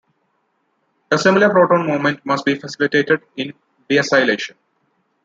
A similar proton movement must be facilitated in deacylation.